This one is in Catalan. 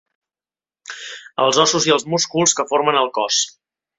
Els ossos i els músculs que formen el cos.